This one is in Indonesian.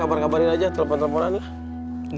yaudah kabarin aja telepon teleponan